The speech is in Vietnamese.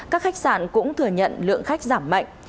các khách sạn cũng thừa nhận lượng khách giảm mạnh